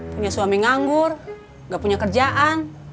punya suami nganggur gak punya kerjaan